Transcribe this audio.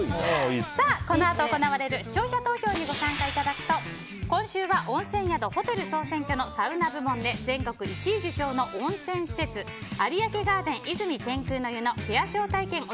このあと行われる視聴者投票にご参加いただくと今週は、温泉宿・ホテル総選挙のサウナ部門で全国１位受賞の温泉施設有明ガーデン泉天空の湯のペア招待券